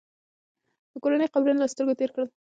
د کورنۍ قبرونه یې له سترګو تېر کړل.